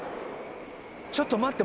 「ちょっと待って。